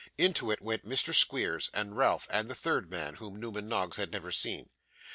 Into it went Mr. Squeers, and Ralph, and the third man, whom Newman Noggs had never seen.